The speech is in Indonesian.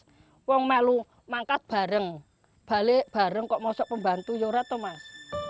orang melu mangka bareng balik bareng kok mau sok pembantu yorat tau mas